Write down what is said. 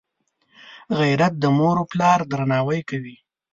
غیرت د موروپلار درناوی کوي